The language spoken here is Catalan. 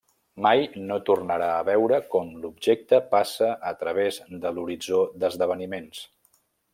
Mai no tornarà a veure com l'objecte passa a través de l'horitzó d'esdeveniments.